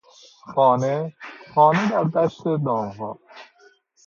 خانه، خانه در دشت دامها...